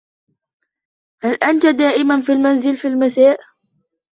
هل أنت دائما في المنزل في المساء ؟